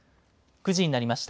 ９時になりました。